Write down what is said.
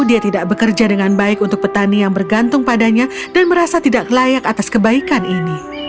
dia tidak bekerja dengan baik untuk petani yang bergantung padanya dan merasa tidak layak atas kebaikan ini